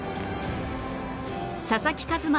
佐々木一真